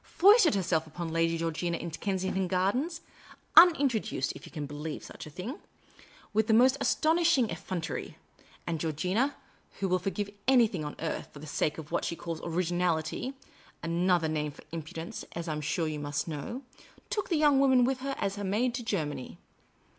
Foisted herself upon 172 Miss Cayley's Adventures Lady Georgina in Kensington Gardens — unintroduced, if you can believe such a thing — with the most astonishing effrontery ; and Georgina, who will forgive anything on earth, for the sake of what she calls originality — another name for impudence, as I am sure you must know — took the young woman with her as her maid to Germany.